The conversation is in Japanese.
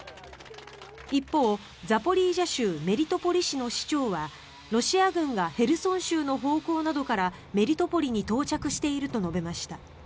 一方、ザポリージャ州メリトポリ市の市長はロシア軍がヘルソン州の方向などからメリトポリに到着していると述べました。